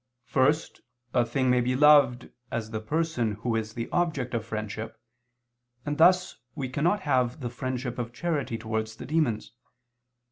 First, a thing may be loved as the person who is the object of friendship, and thus we cannot have the friendship of charity towards the demons.